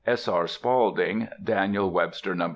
_ S. R. Spaulding, Daniel Webster No.